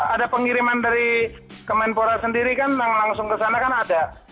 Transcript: ada pengiriman dari kemenpora sendiri kan yang langsung ke sana kan ada